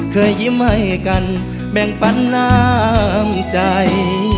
เคยยิ้มให้กันแบ่งปันน้ำใจ